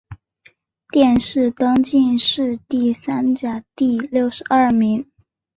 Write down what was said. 殿试登进士第三甲第六十二名。